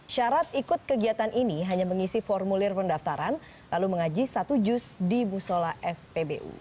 syarat ikut kegiatan ini hanya mengisi formulir pendaftaran lalu mengaji satu jus di musola spbu